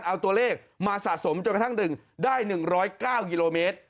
เอาตัวเลขมาสะสมจนกระทั่ง๑ได้๑๐๙กิโลเมตร